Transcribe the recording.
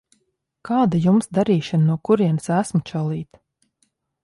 Kāda Jums darīšana no kurienes esmu, čalīt?